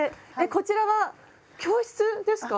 こちらは教室ですか？